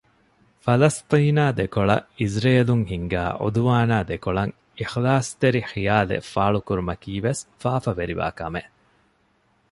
ފަލަސްޠީނާ ދެކޮޅަށް އިޒްރޭލުން ހިންގާ ޢުދުވާނާ ދެކޮޅަށް އިޚްލާޞްތެރި ޚިޔާލެއް ފާޅުކުރުމަކީވެސް ފާފަވެރިވާ ކަމެއް